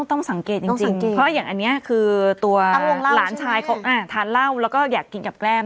ต้องสังเกตจริงเพราะอย่างอันนี้คือตัวหลานชายเขาทานเหล้าแล้วก็อยากกินกับแก้ม